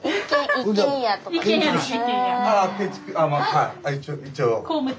はい一応。